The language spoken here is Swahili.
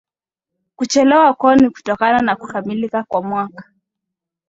kuchelewa kwao ni kutokana na kukamilika kwa mwaka